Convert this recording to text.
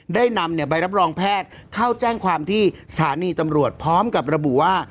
ได้นำใบรับรองแพทย์เข้าแจ้งความที่สถานีตำรวจพร้อมกับระบุว่า